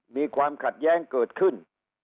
มีความขัดแย้งเกิดขึ้น